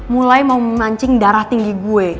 mulai mau memancing darah tinggi gue